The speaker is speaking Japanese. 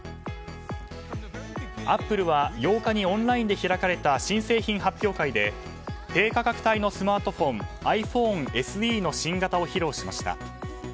アップルは、８日にオンラインで開かれた新製品発表会で低価格帯のスマートフォンｉＰｈｏｎｅＳＥの新型を披露しました。